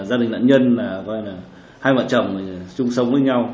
gia đình nạn nhân mà hai vợ chồng chung sống với nhau